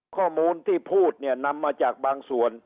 ข้อมูลที่พูดเนี่ยนำมาจากบางส่วน